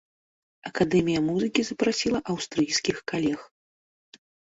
Акадэмія музыкі запрасіла аўстрыйскіх калег.